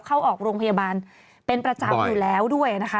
เข้าออกโรงพยาบาลเป็นประจำอยู่แล้วด้วยนะคะ